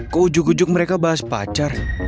kok ujug ujug mereka bahas pacar